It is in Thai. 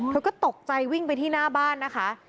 เธอก็ตกใจวิ่งไปที่หน้าบ้านนะคะ